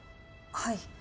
はい。